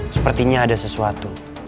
sepertinya ada sesuatu